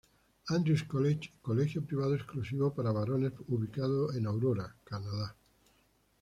Andrew's College, colegio privado exclusivo para varones ubicado en Aurora, Canadá.